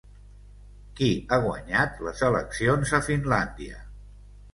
Qui ha guanyat les eleccions a Finlàndia?